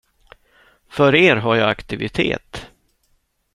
För er har jag aktivitet.